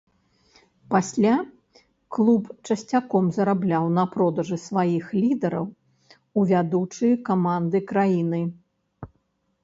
Пасля клуб часцяком зарабляў на продажы сваіх лідараў у вядучыя каманды краіны.